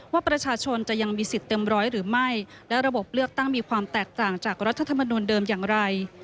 ว่าประชาชนจะยังมีสิทธิ์เต็มร้อยหรือไม่และระบบเลือกตั้งมีความแตกต่างจากรัฐธรรมนุนเดิมอย่างไร